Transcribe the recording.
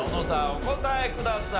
お答えください。